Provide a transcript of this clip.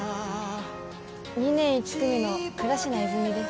２年１組の倉科泉です